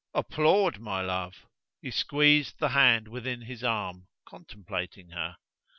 "Applaud, my love." He squeezed the hand within his arm, contemplating her.